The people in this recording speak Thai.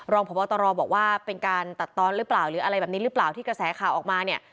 รองพบตรบอกว่าเป็นการตัดตอนหรือเปล่าหรืออะไรแบบนี้หรือเปล่าที่กระแสข่าวออกมาเนี่ย